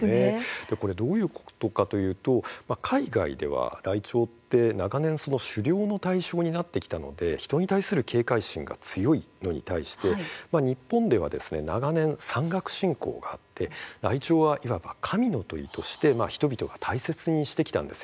これどういうことかといいますと海外ではライチョウは長年狩猟の対象になってきたので、人に対する警戒心が強いのに対して日本では長年山岳信仰があってライチョウはいわば神の鳥として人々が大切にしてきたんです。